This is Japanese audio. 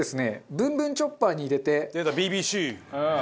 ぶんぶんチョッパーに入れて。